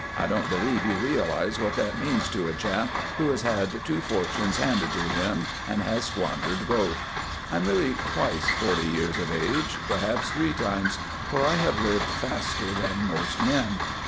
I don't believe you realize what that means to a chap who has had two fortunes handed to him and has squandered both. I'm really twice forty years of age, perhaps three times, for I have lived faster than most men.